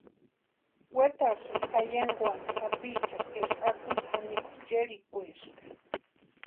Wetarhisïnti ayankwani sapichani éska akwitsi janikwa cherhikwaeska.